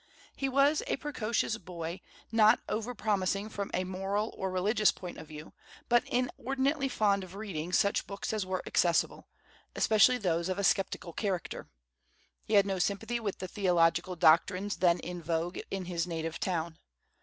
He was a precocious boy, not over promising from a moral and religious point of view, but inordinately fond of reading such books as were accessible, especially those of a sceptical character. He had no sympathy with the theological doctrines then in vogue in his native town.